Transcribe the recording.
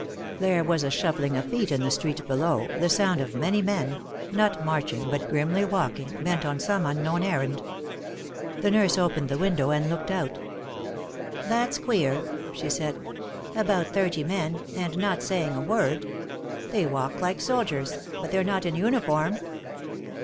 There was a shuffling of feet in the street below, the sound of many men, not marching but grimly walking, bent on some unknown errand. The nurse opened the window and looked out. "That's queer!" she said. "About thirty men, and not saying a word. They walk like soldiers, but they're not in uniform."